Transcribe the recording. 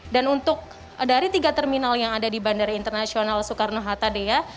dan untuk dari tiga terminal yang ada di bandara internasional soekarno hatta dea